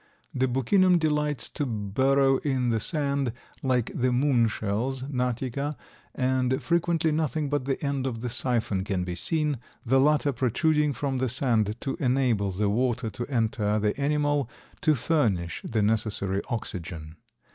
The Buccinum delights to burrow in the sand, like the moon shells (Natica), and frequently nothing but the end of the siphon can be seen, the latter protruding from the sand to enable the water to enter the animal to furnish the necessary oxygen.